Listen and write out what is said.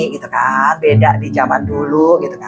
beda dari zaman dulu